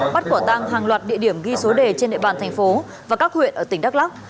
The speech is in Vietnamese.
bắt quả tang hàng loạt địa điểm ghi số đề trên địa bàn thành phố và các huyện ở tỉnh đắk lắc